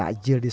lagian mandwi pd